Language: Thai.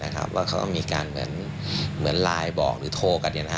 เขาก็มีการเหมือนไลน์บอกหรือโทรกัน